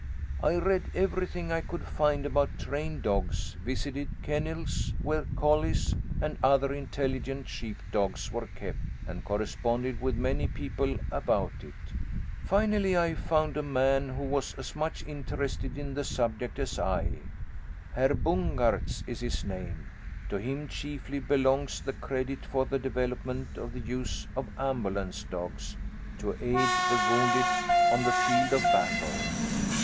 I read everything I could find about trained dogs, visited kennels where collies and other intelligent sheepdogs were kept, and corresponded with many people about it. Finally I found a man who was as much interested in the subject as I. Herr Bungartz is his name. To him chiefly belongs the credit for the development of the use of ambulance dogs, to aid the wounded on the field of battle.